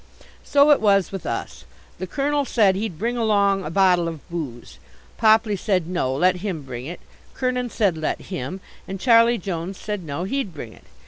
So it was with us. The Colonel said he'd bring along "a bottle of booze." Popley said, no, let him bring it; Kernin said let him; and Charlie Jones said no, he'd bring it.